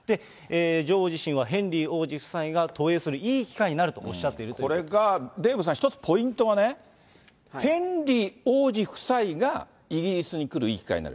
女王自身はヘンリー王子夫妻が渡英するいい機会になるとおっしゃこれがデーブさん、１つポイントはね、ヘンリー王子夫妻がイギリスに来るいい機会になる。